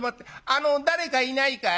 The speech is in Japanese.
あの誰かいないかい？